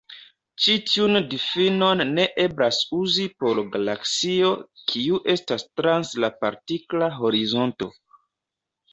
Ĉi tiun difinon ne eblas uzi por galaksio kiu estas trans la partikla horizonto.